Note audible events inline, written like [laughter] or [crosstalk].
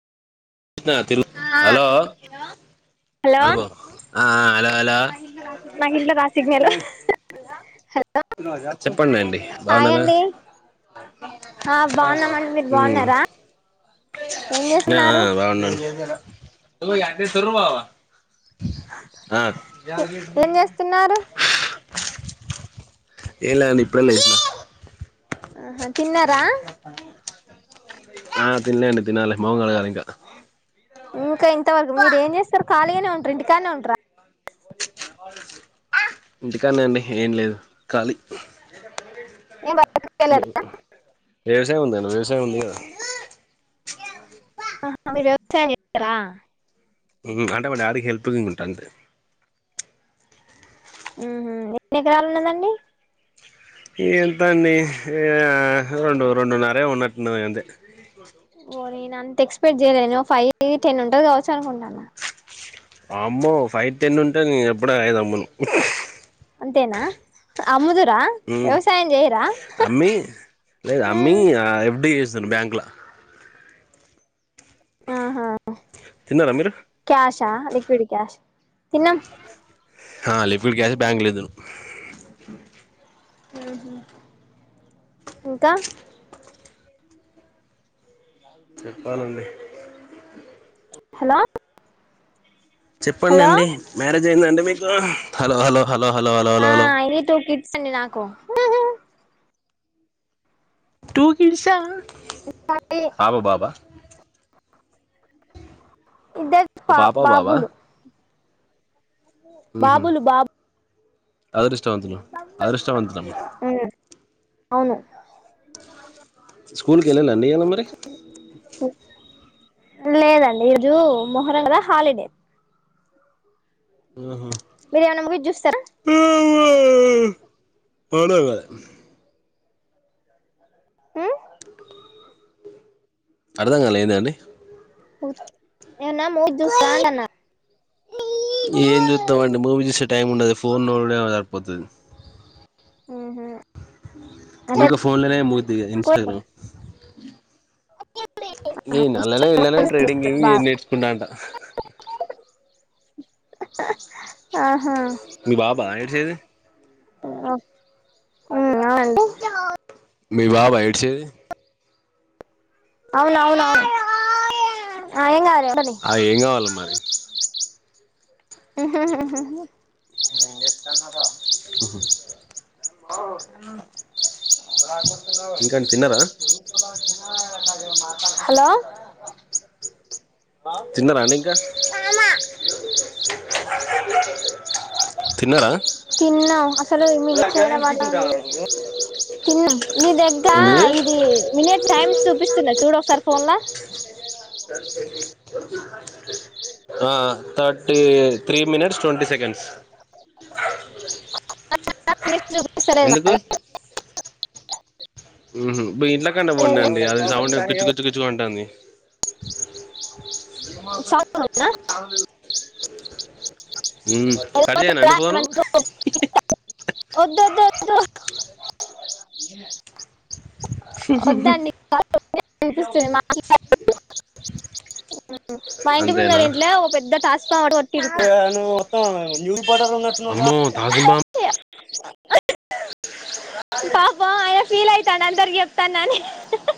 ఆ హలో [unintelligible] నాకు ఇంట్లో రాదు సిగ్నల్ చెప్పండి అండి హాయ్ బాగున్నారా అండి ఆ బాగున్నామండి మీరు ఉ బాగున్నారా ఏం ఆ ఆ చేస్తున్నారు బాగున్నాను ఏం చేస్తున్నారు [unintelligible] ఏంలే అండి ఇప్పుడే లేసినా ఆహా తిన్నారా ఆ తినలే అండి తిన్నాలి మొహం కడగాలి ఇంకా ఇంకా ఇంతవరకు మీరు ఏం చేస్తారు ఖాళీగానే ఉంటారు ఇంటికాడనే ఉంటార [unintelligible] ఇంటికాడనే అండి ఏం లేదు ఖాళీ ఏం బయటకి వ్య వెళ్ళరా వ్యవసాయం ఉందండి వ్యవసాయం ఉంది కదా [inaudible] అంటే మా డాడీకి హెల్ప్గా ఉంటా అంతే ఉహు ఎన్ని ఎకరాలు ఉన్నదండి ఎంత అండి రెండు రెండున్నరే ఉన్నట్టు ఉన్నది ఇగ అంతే ఓ నేను అంత ఎక్స్పెక్ట్ చేయలే ఒక ఫైవ్ టెన్ ఉంటది కావచ్చు అనుకుంటాన్న వామ్మో ఫైవ్ టెన్ ఉంటే నే ఎప్పుడే అయదు అమ్మను అంతేనా అమ్ము ఉ అమ్మీ లేదు అమ్మీ ఆ ఎప్పుడి బ్యాంక్ ల ఆహా తిన్నరా మీరు క్యాష లిక్విడ్ క్యాషా తిన్నం ఆ లిక్విడ్ క్యాష్ బ్యాంక్ లేదును ఉ హు ఇంకా చెప్పాలండి హలో చెప్పండి హలో అండి మ్యారేజ్ అయిందండి మీకు hello hello hello hello hello hello hello పిస్తుంది నాకు టూ కిడ్సా పాప బాబా ఇద్దరు పా పాప బాబా బాబులు మ్హూ బాబులు బాబు అదృష్టవంతులు అదృష్టవంతులమ్మ మ్మ్ అవును స్కూల్కి వెళ్ళాలే అండి ఇయలా మరి లేదండి ఈరోజు మొహరం కదా హాలిడే ఆహా మీరు ఏమన్నా ము చూస్తారా పొడపాయ ఉ అర్థంగాలా ఏందండి ఏన్నా మూవీ చూస్తా అన్న ఏం చూస్తాండి మూవీ చూసే టైం ఉండదు ఫోన్ చూడుడే సరిపోతుంది మ్మ్ అంటే ఇక ఫోన్లనే మూర్ దిగా ఇన్స్టాగ్రామ్ ఏన్ అలనే ఇల్లనే ట్రేడింగ్మి నేర్చకుంటాంట ఆహా మీ బాబా ఏడ్సేదీ ఉ అవునండి మీ బాబా ఏడ్సేదీ అవునవునువును ఏం కాదు ఏమని ఆ ఏం కావాలి మరి ఏం చేస్తన్నారో ఆహా ఇంకా తిన్నారా హలో తిన్నరండి ఇంకా తిన్నరా తిన్నాం అసలు మీ [unintelligible] తిన్నాం నీ దగ్గర ఏంది ఇది మినిట్ టైమ్స్ చూపిస్తుందా చూడ ఒకసారి ఫోన్ ల ఆ thirty three minutes twenty seconds అ చూపిస్తలేదా ఎందుకు మరి ఊహు మీఇంట్ల కన్న పోండండి అది సౌండ్ కుచ్చు లేదు. కుచ్చు కుచ్చుమంటంది స కట్ చేయనా అండి ఫోను వద్దుద్దుద్దు [inaudible] వద్దండి పిలిసిస్తది మా మా ఇంటి ముందుర అంతేనా ఇంట్లో ఒక పెద్ద తాస్ పామ్ ఒకటి కొట్టిన్రు అమ్మో తాజుబమ్ [unintelligible] పాపం ఆయన ఫీల్ అయితాండు అందరికి చెప్తానాని